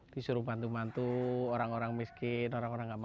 disuruh bantu bantu orang orang miskin orang orang nggak mampu